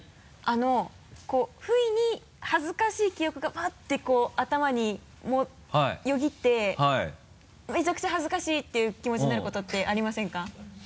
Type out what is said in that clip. ふいに恥ずかしい記憶がバッて頭によぎってめちゃくちゃ恥ずかしいっていう気持ちになることってありませんか？